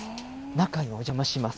中にお邪魔します。